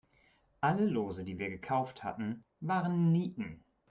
Alle Lose, die wir gekauft hatten, waren Nieten.